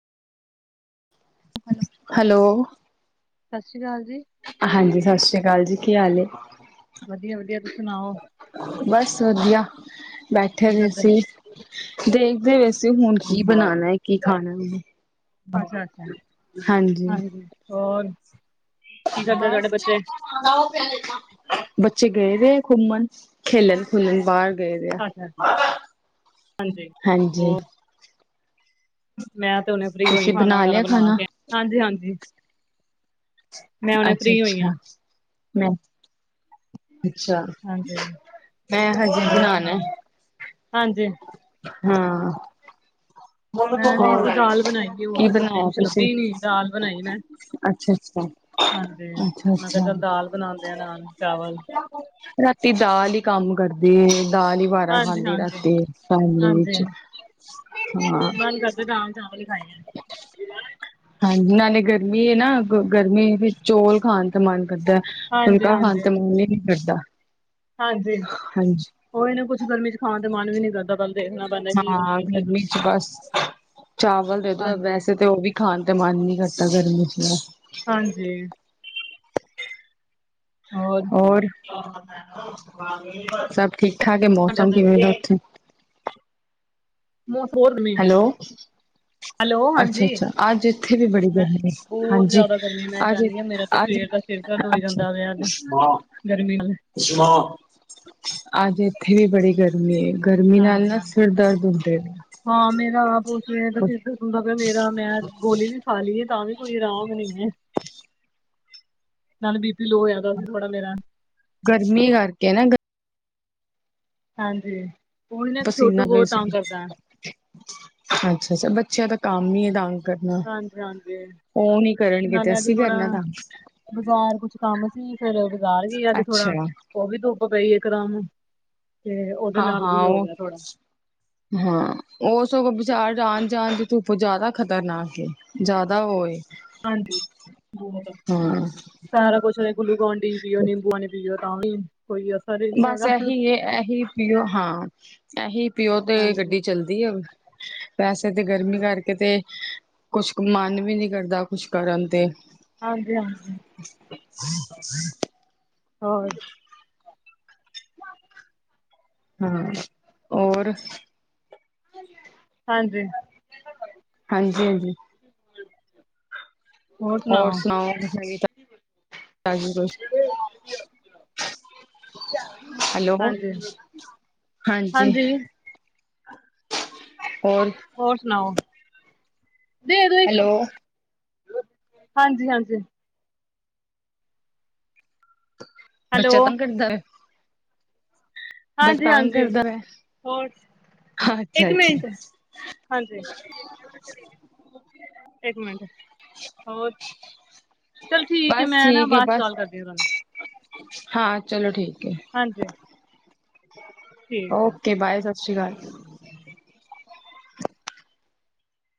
Hello ਸਸ਼੍ਰੀ ਅਕਾਲ ਜੀ ਹਾਂਜੀ ਸਸ੍ਰੀ ਅਕਾਲ ਜੀ ਕੀ ਹਾਲ ਨੇ? ਵਧੀਆ-ਵਧੀਆ ਤੁਸੀਂ ਸੁਣਾਓ। ਬਸ ਵਧੀਆ ਬੈਠੇ ਕੀ ਰ ਕਰਦੇ? ਸੀ। ਦੇਖਦੇ ਵੈਸੇ ਹੁਣ ਕੀ ਬਣਾਣਾ ਏ ਕੀ ਖਾਣਾ ਐ ਅੱਛਾ ਅੱਛਾ, ਹਾਂਜੀ। ਹੋਰ ਕੀ ਕਰਦੇ ਬਸ ਤੁਹਾਡੇ ਬੱਚੇ? [inaudible] ਬੱਚੇ ਗਏ ਵੇ ਆ ਘੁੰਮਣ ਖੇਲਣ ਖੁਲਣ ਬਾਰ ਗਏ ਵੇ ਆ ਅੱਛਾ, ਹਾਂਜੀ, ਹਾਂਜੀ। ਹੋਰ ਮੈਂ ਤੇ ਓਨੇ ਫਰੀ ਹੋਈ ਤੁਸੀਂ ਖਾਣਾ ਵਗੈਰਾ ਲਿਆ ਬਣਾ ਖਾਣਾ ਕੇ ਹਾਂਜੀ ਹਾਂਜੀ। ਮੈਂ ਹੁਣੇ ਫ੍ਰਰੀ ਹੋਈ ਹਾਂ, ਅੱਛਾ-ਅੱਛਾ ਮ ਅੱਛਾ, ਹਾਂਜੀ ਮੈਂ ਹਜੇ ਹੋਰ ਬਨਾਨਾ ਸੁਣਾਓ? ਹੈ। ਹਾਂਜੀ, ਹਾਂ। ਹੋਰ ਮੈਂ ਵੀ ਕੋਈ ਦਾਲ ਬਣਾਈ ਦੀ ਹੋਰ ਕੀ ਤੇ ਸਬਜ਼ੀ ਬਣਾਇਆ ਕੁਛ ਤੁਸੀਂ? ਲੱਭੀ ਨੀ ਦਾਲ ਬਣਾਈ ਮੈਂ, ਅੱਛਾ-ਅੱਛਾ, ਹਾਂਜੀ ਮੈਂ ਕਿਹਾ ਅੱਛਾ-ਅੱਛਾ। ਚੱਲ ਦਾਲ ਬਣਾਉਂਦੇ ਆ ਨਾਲ ਚਾਵਲ, ਰਾਤੀ ਦਾਲ ਈ ਕੰਮ ਕਰਦੀ ਏ ਦਾਲ ਈ ਬਾਰਾ ਹਾਂਜੀ ਖਾਂਦੀ ਹਾਂਜੀ ਰਾਤੀ ਫੈਮਿਲੀ ਹਾਂਜੀ ਵਿੱਚ। ਹਾਂ, ਮਨ ਕਰਦਾ ਦਾਲ ਚਾਵਲ ਹੀ ਖਾ ਹਾਂਜੀ ਨਾਲੇ ਗਰਮੀ ਐ ਨਾ ਗਰਮੀ ਵਿੱਚ ਚੌਲ ਖਾਣ ਦਾ ਮਨ ਕਰਦਾ। ਹਾਂਜੀ ਫੁਲਕਾ ਖਾਨ ਹਾਂਜੀ ਦਾ ਮਨ ਈ ਨੀ ਕਰਦਾ। ਹਾਂਜੀ ਹਾਂਜੀ। ਓ ਇਹਨੂੰ ਕੁਛ ਗਰਮੀ ਚ ਖਾਣ ਦਾ ਮਨ ਵੀ ਨੀ ਕਰਦਾ ਪਲ ਦੇਖ ਹਾਂ ਗਰਮੀ ਚ ਬਸ ਚਾਵਲ ਦੇ ਦੋ ਹਾਂਜੀ, ਵੈਸੇ ਤਾਂ ਉਹ ਵੀ ਖਾਣ ਦਾ ਮਨ ਨਹੀਂ ਕਰਦਾ ਗਰਮੀ ਚ ਹਾਂਜੀ। ਹੋਰ ਹੋਰ, ਸਭ ਠੀਕ ਠਾਕ ਐ ਮੌਸਮ ਕਿਵੇਂ ਦਾ ਉਥੇ ਮੌਸਮ [inaudible] ਹੋਰ ਗਰਮੀ ਹੈਲੋ। ਹੈਲੋ ਹਾਂਜੀ ਅੱਛਾ-ਅੱਛਾ ਅੱਜ ਇੱਥੇ ਵੀ ਬੜੀ ਮੈਂ ਗਰਮੀ ਏ, ਬਹੁਤ ਹਾਂਜੀ ਜ਼ਿਆਦਾ ਗਰਮੀ ਮੈਂ ਅੱਜ ਅੱਜ ਚਾਹੁੰਦੀ ਅੱਛਾ ਹਾਂ ਮੇਰਾ ਤੇ ਸਵੇਰ ਦਾ ਸਿਰ ਦਰਦ ਹੋ ਅੱਜ ਜਾਂਦਾ ਪਿਆ ਤੇ ਗਰਮੀ ਨਾਲ ਅੱਜ ਇੱਥੇ ਵੀ ਬੜੀ ਗਰਮੀ ਮੇ ਗਰਮੀ ਨਾਲ ਹਾਂਜੀ, ਨਾਲ ਹਾਂਜੀ ਫਿਰ ਦਰਦ ਹੁੰਦੇ। ਹਾਂ, ਮੇਰਾ ਆਪ ਉਸ ਵੇਲੇ ਤੋਂ ਸਿਰ ਦਰਦ ਹੁੰਦਾ ਪਿਆ ਮੇਰਾ ਮੈਂ ਗੋਲੀ ਵੀ ਖਾ ਲਈਏ ਤਾਂ ਵੀ ਕੋਈ ਆਰਾਮ ਨੀ ਐ, ਨਾਲੇ ਬੀ ਪੀ ਲੋ ਹੋਇਆ ਤਾਂ ਸੀ ਥੋੜਾ ਮੇਰਾ। ਗਰਮੀ ਕਰਕੇ ਨਾ ਗ ਹਾਂਜੀ ਹੁਣ ਨਾ ਪਸੀਨਾ ਛੋਟੂ ਪਏ ਬੋਤ ਸੀ ਤੰਗ ਕਰਦਾ। ਅੱਛਾ-ਅੱਛਾ ਬੱਚਿਆਂ ਦਾ ਕੰਮ ਹੀ ਹੇ ਤੰਗ ਕਰਨਾ ਹਾਂਜੀ, ਹਾਂਜੀ ਉਹ ਨੀ ਕਰਨਗੇ ਤੇ ਅਸੀਂ ਕਰਨਾ ਕੰਮ ਬਜ਼ਾਰ ਕੁਛ ਕੰਮ ਸੀ ਫੇਰ ਬਾਜ਼ਾਰ ਗਏ ਆ ਤੇ ਅੱਛਾ ਥੋੜਾ ਉਹ ਵੀ ਧੁੱਪ ਪਈ ਇਕਰਮ ਤੇ ਉਹਦੇ ਨਾਲ ਹਾਂ-ਹਾਂ ਵੀ ਹੋ ਉਹ ਗਿਆ ਥੋੜਾ। ਹਾਂ ਉਹ ਸਗੋਂ ਬਾਜ਼ਾਰ ਆਣ ਜਾਣ ਦੀ ਧੁੱਪ ਜ਼ਿਆਦਾ ਖ਼ਤਰਨਾਕ ਜ਼ਿਆਦਾ ਉਹ ਏ ਹਾਂਜੀ ਬਹੁਤ ਆ, ਹਾਂ ਸਾਰਾ ਹੈ ਕੁਛ ਗੁਲੂ ਕੋਨ ਪੀ ਪੀਓ ਨਿੰਬੂ ਪਾਣੀ ਪੀਓ, ਤਾਂ ਵੀ ਕੋਈ ਅਸਰ ਏ ਬਸ ਇਹੀ ਇਹੀ ਪੀਓ ਹਾਂ ਇਹੀ ਪੀਓ ਤੇ ਹਾਂਜੀ ਗੱਡੀ ਚੱਲ ਦੀ ਏ, ਵੈਸੇ ਤੇ ਗਰਮੀ ਕਰਕੇ ਤੇ ਕੁਛ ਕ ਮਨ ਵੀ ਨੀ ਕਰਦਾ ਕੁਛ ਕਰਨ ਤੇ ਹਾਂਜੀ-ਹਾਂਜੀ [unintelligible] ਹੋਰ ਹੂੰ ਔਰ ਹਾਂਜੀ। ਹਾਂਜੀ-ਹਾਂਜੀ। [inaudible] ਹੋਰ ਸੁਣਾਓ ਵੀ ਤਾਂ, ਤੁਸੀਂ ਰਾਜ਼ੀ ਖੁਸ਼ੀ ਹੈਲੋ। ਹਾਂਜੀ ਹਾਂਜੀ ਹੋਰ। ਹੋਰ ਸੁਣਾਓ, ਦੇ ਦੋ ਇੱਕ। ਹੈਲੋ ਹਾਂਜੀ-ਹਾਂਜੀ। ਹੈਲੋ ਬੱਚਾ ਪੰਕਜ ਦਾ ਏ? ਤੰਗ ਹਾਂਜੀ-ਹਾਂਜੀ ਕਰਦਾ ਵੇ ਹੋਰ। ਅੱਛਾ ਇੱਕ ਅੱਛਾ ਮਿੰਟ, ਹਾਂਜੀ ਇੱਕ ਮਿੰਟ ਹੋਰ ਚੱਲ ਠੀਕ ਹੈ ਬਸ ਮੈਂ ਨਾ ਠੀਕ ਹੈ ਬਾਅਦ ਚ ਬਸ ਗੱਲ ਕਰਦੀ ਆ ਤੁਹਾਨੂੰ। ਹਾਂ ਚਲੋ ਠੀਕ ਹੈ। ਹਾਂਜੀ ਠੀਕ ਹੈ ਓਕੇ ਬਾਏ ਸਤਿ ਸ਼੍ਰੀ ਅਕਾਲ।